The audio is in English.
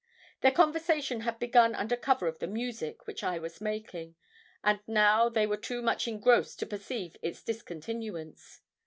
Their conversation had begun under cover of the music which I was making, and now they were too much engrossed to perceive its discontinuance.